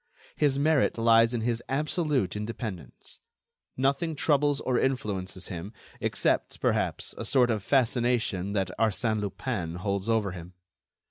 His merit lies in his absolute independence. Nothing troubles or influences him, except, perhaps, a sort of fascination that Arsène Lupin holds over him.